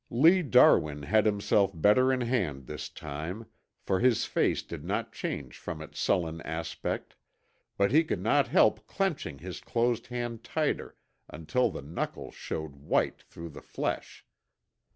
Lee Darwin had himself better in hand this time, for his face did not change from its sullen aspect, but he could not help clenching his closed hand tighter until the knuckles showed white through the flesh.